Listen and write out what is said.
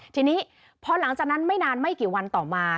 ทีนี้พอหลังจากนั้นไม่นานไม่กี่วันต่อมา